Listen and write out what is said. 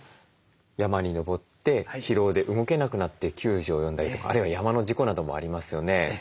山に登って疲労で動けなくなって救助を呼んだりとかあるいは山の事故などもありますよね。